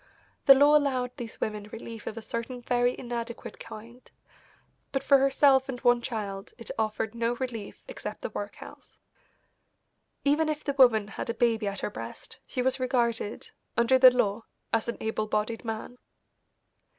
The law allowed these women relief of a certain very inadequate kind, but for herself and one child it offered no relief except the workhouse. Even if the woman had a baby at her breast she was regarded, under the law, as an able bodied man.